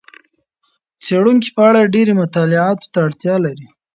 څېړونکي په اړه ډېرې مطالعاتو ته اړتیا لري.